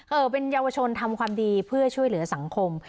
เป็นเยาวชนทำความดีเพื่อช่วยเหลือสังคม